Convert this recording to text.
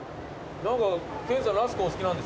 何か研さんラスクお好きなんですよね？